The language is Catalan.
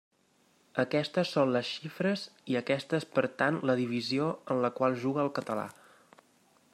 Aquestes són les xifres i aquesta és per tant la divisió en la qual juga el català.